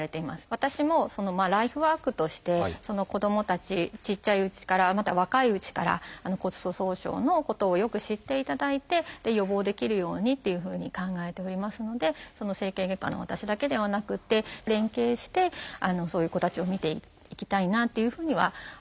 私もライフワークとして子どもたちちっちゃいうちからまだ若いうちから骨粗しょう症のことをよく知っていただいて予防できるようにっていうふうに考えておりますので整形外科の私だけではなくて連携してそういう子たちを診ていきたいなというふうには考えてますね。